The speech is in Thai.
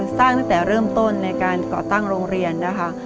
สร้างตั้งแต่เริ่มต้นในการก่อตั้งโรงเรียนนะคะ